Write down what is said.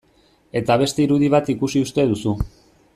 Eta beste irudi bat ikusi uste duzu...